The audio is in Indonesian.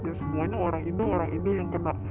ya semuanya orang indo orang indo yang kena